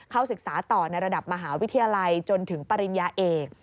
ศึกษาต่อในระดับมหาวิทยาลัยจนถึงปริญญาเอก